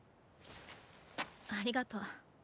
ありがとう。